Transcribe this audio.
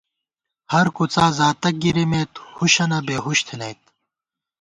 ہر کُڅا زاتَک گِرِمېت ہُشَنہ بےہُش تھنَئیت